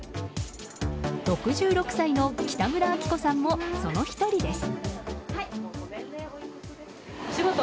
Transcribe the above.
６６歳の北村あき子さんもその１人です。